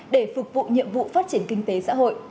để phục vụ nhiệm vụ phát triển kinh tế xã hội